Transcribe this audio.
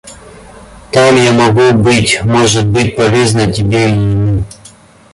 Там я могу быть, может быть, полезна тебе и ему.